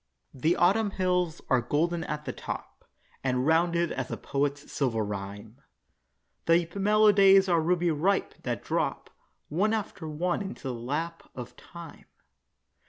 The Autumn hills are golden at the top, And rounded as a poet's silver rhyme; The mellow days are ruby ripe, that drop One after one into the lap of time.